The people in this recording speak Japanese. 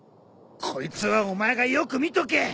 こいつはお前がよく見とけ！